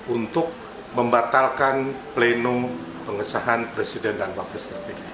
untuk membatalkan plenum pengesahan presiden dan wakil strategi